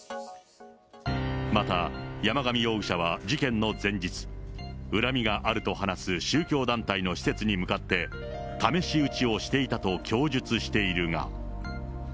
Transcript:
また山上容疑者は事件の前日、恨みがあると話す宗教団体の施設に向かって、試し撃ちをしていたと供述しているが。